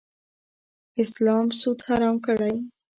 اسلام سود حرام کړی.